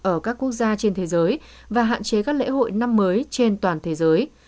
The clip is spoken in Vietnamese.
ở các quốc gia trên thế giới và hạn chế các lễ hội năm mới trên toàn thế giới